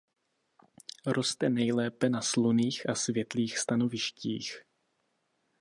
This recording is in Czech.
Roste nejlépe na slunných a světlých stanovištích.